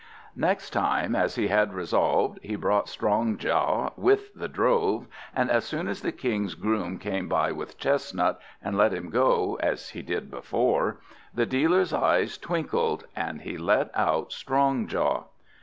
Next time, as he had resolved, he brought Strongjaw with the drove, and as soon as the King's groom came by with Chestnut, and let him go as he did before, the dealer's eyes twinkled, and he let out Strongjaw.